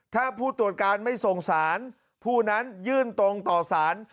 ถ้าผู้ตรวจการไม่ส่งสารผู้นั้นยื่นตรงต่อสาร